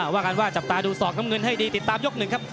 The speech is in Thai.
ว่ากันว่าจับตาดูศอกน้ำเงินให้ดีติดตามยกหนึ่งครับ